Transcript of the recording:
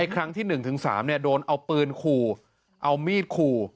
ครั้งที่๑๓โดนเอาปืนขู่เอามีดขู่